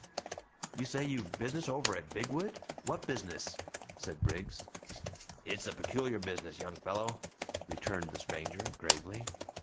"You say you've business over at Bigwood. What business?" said Briggs. "It's a peculiar business, young fellow," returned the stranger, gravely.